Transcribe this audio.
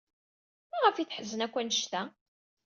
Maɣef ay teḥzen akk anect-a?